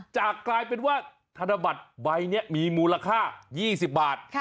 กลายเป็นว่าธนบัตรใบนี้มีมูลค่า๒๐บาท